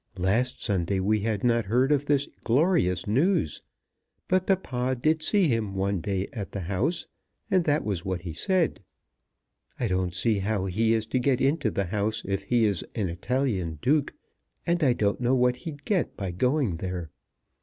Last Sunday we had not heard of this glorious news; but papa did see him one day at the House, and that was what he said. I don't see how he is to get into the House if he is an Italian Duke, and I don't know what he'd get by going there.